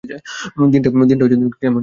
দিনটা কেমন ছিল?